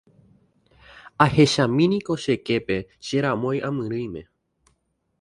Ahechamíniko che képe che ramói amyrỹime.